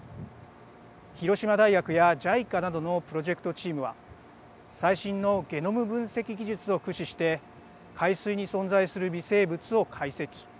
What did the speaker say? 広島大学やＪＩＣＡなどのプロジェクトチームは最新のゲノム分析技術を駆使して海水に存在する微生物を解析。